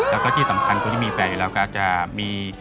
แล้วก็ที่สำคัญคนที่มีแฟนอยู่แล้วก็จะมี